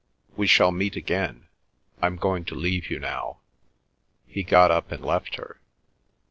"We shall meet again. I'm going to leave you now." He got up and left her.